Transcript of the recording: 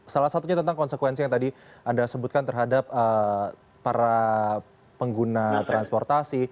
salah satunya tentang konsekuensi yang tadi anda sebutkan terhadap para pengguna transportasi